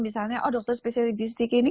misalnya dokter spesialis gizi klinik ini